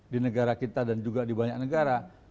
di negara kita dan juga di banyak negara